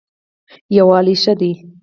یووالی ښه دی.